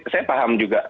saya paham juga